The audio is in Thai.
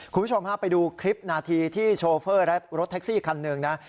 คุณผู้ชมฮะไปดูคลิปนาทีที่โชเฟอร์และรถแท็กซี่คันหนึ่งนะ